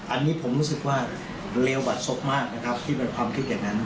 อันนี้ผมรู้สึกว่าเลวบัดศพมากนะครับที่เป็นความคิดอย่างนั้น